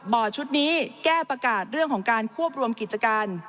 ชุดนี้แก้ประกาศเรื่องของการควบรวมกิจการ